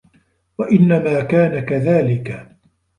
وَإِنَّمَا كَانَ كَذَلِكَ